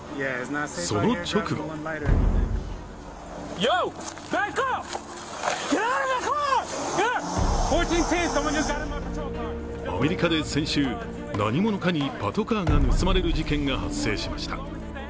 その直後アメリカで先週、何者かにパトカーが盗まれる事件が発生しました。